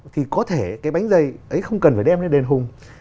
thì có thể cái bánh dày ấy không cần phải đem lên đền hùng